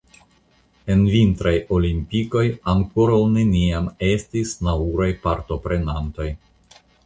En vintraj olimpikoj ankoraŭ neniam estis nauraj partoprenantoj.